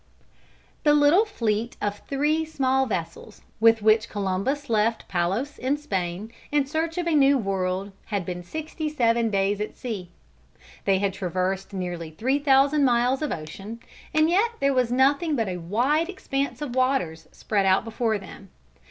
The little fleet of three small vessels, with which Columbus left Palos in Spain, in search of a new world, had been sixty seven days at sea. They had traversed nearly three thousand miles of ocean, and yet there was nothing but a wide expanse of waters spread out before them.